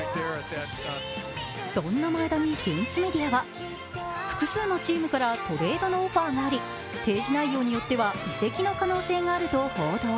そんな前田に現地メディアは、複数のチームからトレードのオファーがアメリカ提示内容によっては移籍の可能性があると報道。